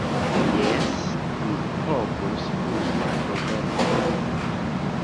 Jes! Mi povus uzi proverbon!